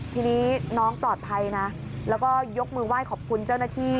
ถ้าน้องปลอดภัยนะยกมือว่าขอบคุณเจ้าหน้าที่